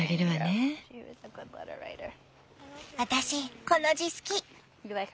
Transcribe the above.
私この字好き。